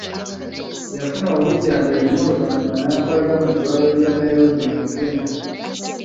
Yafuna obujjanjabi n'oluvannyuma n'atwalibwa mu ddwaliro lya Nairobi mu Kenya.